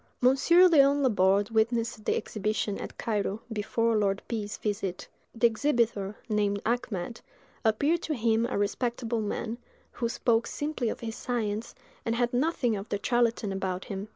Monsieur Léon Laborde witnessed the exhibition, at Cairo, before Lord P——'s visit; the exhibitor, named Achmed, appeared to him a respectable man, who spoke simply of his science, and had nothing of the charlatan about him.